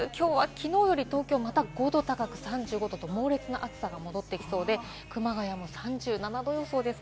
きのうより５度高く、３５度と猛烈な暑さが戻ってきそうで、熊谷も３７度予想です。